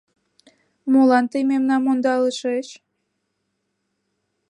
Молан тый мемнам ондалышыч?